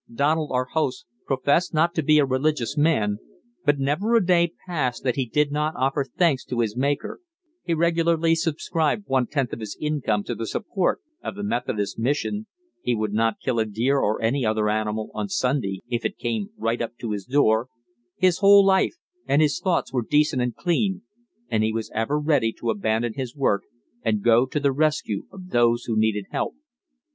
Donald, our host, professed not to be a religious man, but never a day passed that he did not offer thanks to his Maker, he regularly subscribed one tenth of his income to the support of the Methodist Mission, he would not kill a deer or any other animal on Sunday if it came right up to his door, his whole life and his thoughts were decent and clean, and he was ever ready to abandon his work and go to the rescue of those who needed help.